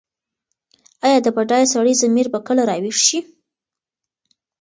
ایا د بډایه سړي ضمیر به کله راویښ شي؟